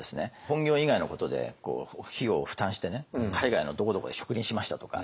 本業以外のことで費用を負担して海外のどこどこで植林しましたとか。